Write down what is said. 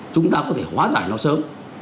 chúng ta có thể hóa giải nó sớm